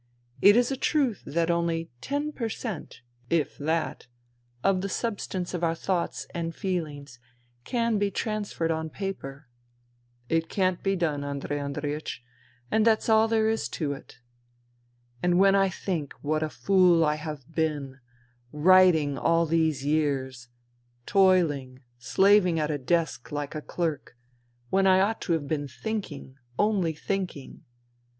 It is a truth that only ten per cent, if that, of the substance of our thoughts and feelings can be trans ferred on paper. It can't be done, Andrei Andreiech — and that's all there is to it. " And when I think what a fool I have been, writing all these years, toiling, slaving at a desk like a clerk — when I ought to have been thinking, only thinking."